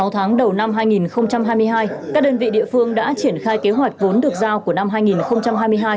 sáu tháng đầu năm hai nghìn hai mươi hai các đơn vị địa phương đã triển khai kế hoạch vốn được giao của năm hai nghìn hai mươi hai